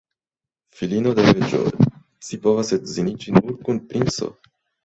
Filino de reĝo, ci povas edziniĝi nur kun princo.